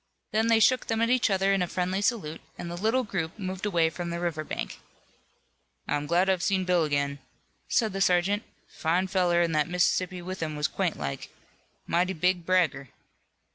Then they shook them at each other in friendly salute, and the little group moved away from the river bank. "I'm glad I've seen Bill again," said the sergeant. "Fine feller an' that Mississippian with him was quaint like. Mighty big bragger."